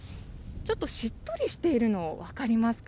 ちょっとしっとりしているの、分かりますか？